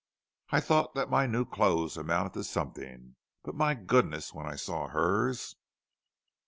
I thought that my new clothes amounted to something, but my goodness, when I saw hers!"